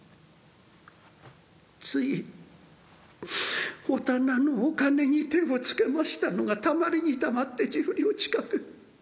ついお店のお金に手を付けましたのがたまりにたまって１０両近く。